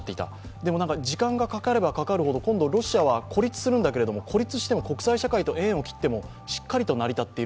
でも時間がかかればかかるほど今度ロシアは孤立するんだけれども孤立しても国際社会と縁を切ってもしっかりと成り立っている。